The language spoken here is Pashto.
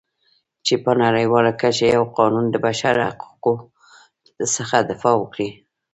چې په نړیواله کچه یو قانون د بشرحقوقو څخه دفاع وکړي.